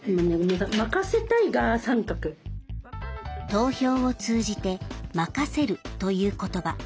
投票を通じて「任せる」という言葉。